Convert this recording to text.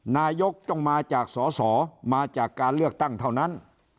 นายกต้องมาจากสอสอมาจากการเลือกตั้งเท่านั้น